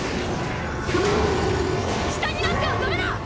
下になってはダメだエレン！！